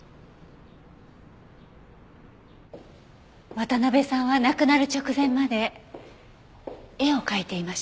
渡辺さんは亡くなる直前まで絵を描いていました。